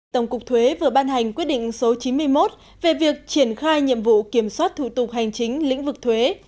tổng cục thuế vừa ban hành quyết định số chín mươi một về việc triển khai nhiệm vụ kiểm soát thủ tục hành chính lĩnh vực thuế